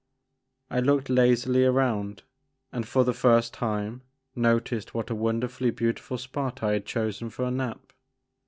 I looked lazily around, and for the first time noticed what a wonderfully beautiful spot I had chosen for a nap.